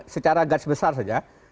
secara gaj besar saja